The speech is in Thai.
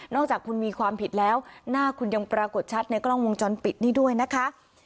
จากคุณมีความผิดแล้วหน้าคุณยังปรากฏชัดในกล้องวงจรปิดนี่ด้วยนะคะ